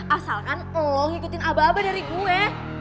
asalkan lo ngikutin abah abah dari gue